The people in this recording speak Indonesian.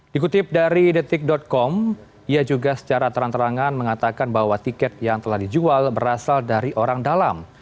dikutip dari detik com ia juga secara terang terangan mengatakan bahwa tiket yang telah dijual berasal dari orang dalam